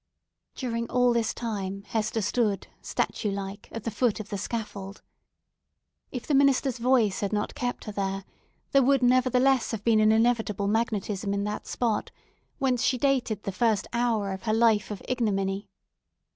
During all this time, Hester stood, statue like, at the foot of the scaffold. If the minister's voice had not kept her there, there would, nevertheless, have been an inevitable magnetism in that spot, whence she dated the first hour of her life of ignominy.